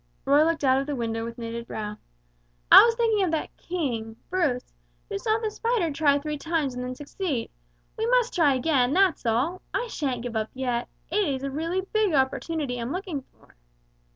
Roy looked out of the window with knitted brow. "I was thinking of that King Bruce who saw the spider try three times and then succeed. We must try again, that's all! I shan't give up yet. It is really a big opportunity I'm looking for!"